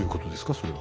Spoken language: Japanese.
それは。